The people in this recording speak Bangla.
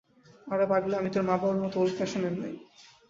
আরে পাগলি, আমি তোর মা-বাবার মতো ওল্ড ফ্যাশনের নই!